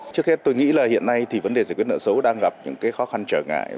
trước hết tôi nghĩ là hiện nay thì vấn đề giải quyết nợ xấu đang gặp những khó khăn trở ngại